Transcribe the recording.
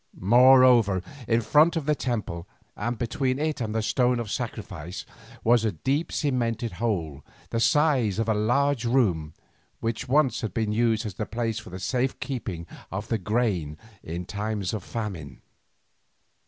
Moreover in front of the temple, and between it and the stone of sacrifice, was a deep cemented hole the size of a large room, which once had been used as a place for the safe keeping of grain in times of famine.